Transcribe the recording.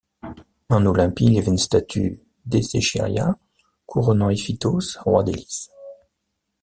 En Olympie il y avait une statue d'Écéchiria couronnant Iphitos, roi d'Élis.